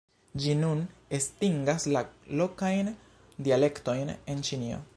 Ĝi nun estingas la lokajn dialektojn en Ĉinio.